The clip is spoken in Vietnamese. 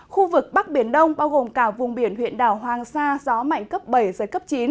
khu vực bắc biển đông bao gồm cả vùng biển huyện đảo hoàng sa gió mạnh cấp bảy giật cấp chín